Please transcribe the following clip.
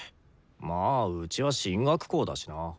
まあうちは進学校だしな。